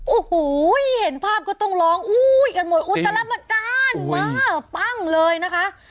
โอ้โหเห็นภาพก็ต้องร้องอุ้ยกันหมดอุตลับการมาปั้งเลยนะคะ